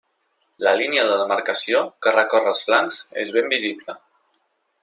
La línia de demarcació que recorre els flancs és ben visible.